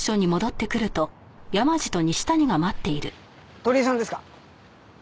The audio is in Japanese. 鳥居さんですか？